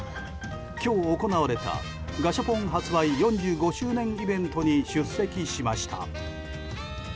今日行われたガシャポン発売４５周年イベントに出席しました。